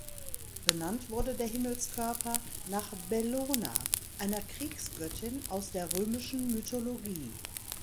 Benannt wurde der Himmelskörper nach Bellona, einer Kriegsgöttin aus der römischen Mythologie.